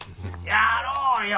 やろうよ。